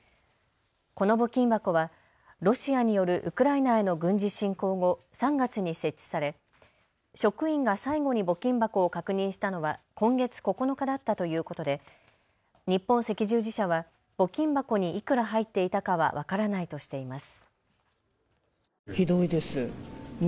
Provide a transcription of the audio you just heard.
この募金箱はロシアによるウクライナへの軍事侵攻後、３月に設置され職員が最後に募金箱を確認したのは今月９日だったということで日本赤十字社は募金箱にいくら入っていたかは分からないとしています。